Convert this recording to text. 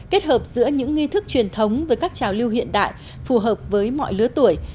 kết hợp giữa những nghi thức truyền thống với các trào lưu hiện đại phù hợp với mọi lứa tuổi